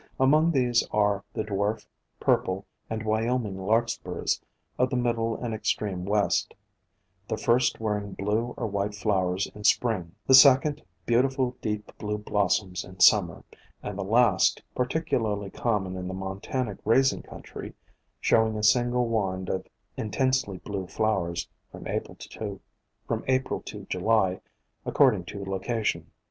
Among these are the Dwarf, Purple and Wyoming Larkspurs of the middle and extreme west, the first wearing blue or white flowers in Spring, the second beautiful deep blue blossoms in Summer, and the last, particularly common in the Montana grazing country, showing a single wand of intensely blue flowers, from April to July, according to location.